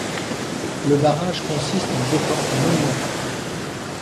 Le barrage consiste en deux portes monumentales.